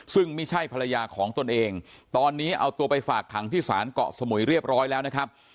ซึ่งไม่ใช่ภรรยาของตนเองตอนนี้เอาตัวไปฝากขังที่ศาลเกาะสมุยเรียบร้อยแล้วนะครับ